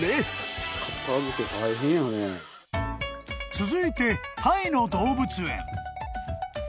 ［続いてタイの動物園］